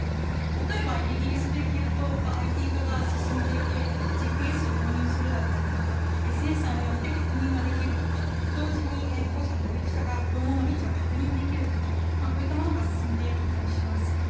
例えばイギリスで言うとＩＴ化が進んでいてＧＰＳを導入するだったりとかセンサーによって確認ができるとか同時に保護者とか保育士が子どもの位置を確認できるとかこういったものが進んでいたりします。